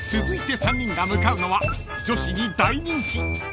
［続いて３人が向かうのは女子に大人気